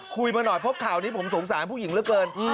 มาหน่อยเพราะข่าวนี้ผมสงสารผู้หญิงเหลือเกิน